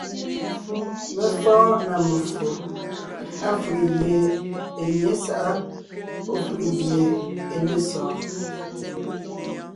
Mé fɔ́ɔn na meffo, áfʉ̀ʼ gie é nyé sáʼa pɔ́ fʉ̀ʼʉ gie é ne sɔɔn: